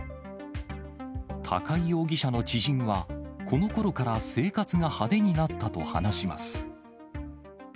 高井容疑者の知人は、このころから生活が派手になったと話します。